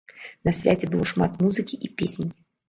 На свяце было шмат музыкі і песень.